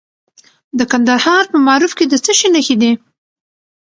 د کندهار په معروف کې د څه شي نښې دي؟